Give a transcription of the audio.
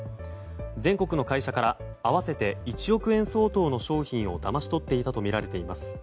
全国の会社から合わせて１億円相当の商品をだまし取っていたとみられています。